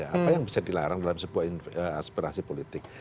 apa yang bisa dilarang dalam sebuah aspirasi politik